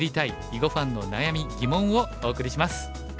囲碁ファンの悩み、疑問」をお送りします。